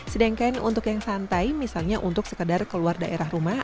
sedangkan untuk yang santai misalnya untuk sekedar keluar daerah rumah